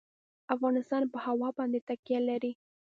افغانستان په هوا باندې تکیه لري.